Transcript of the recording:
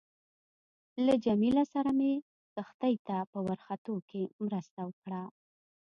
له جميله سره مې کښتۍ ته په ورختو کې مرسته وکړه.